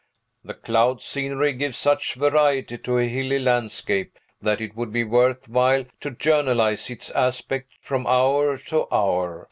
The cloud scenery gives such variety to a hilly landscape that it would be worth while to journalize its aspect from hour to hour.